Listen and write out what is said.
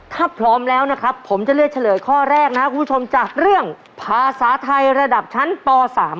ถ้าพร้อมแล้วนะครับผมจะเลือกเฉลยข้อแรกนะครับคุณผู้ชมจากเรื่องภาษาไทยระดับชั้นป๓